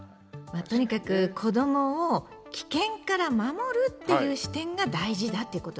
とにかく子どもを危険から守るっていう視点が大事だっていうことなんだよね。